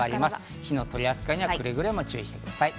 火の取り扱いにはくれぐれもご注意ください。